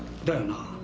だよな？